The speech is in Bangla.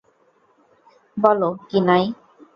বলো, কিনাই।